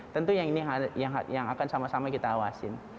tentu yang ini yang akan sama sama kita awasin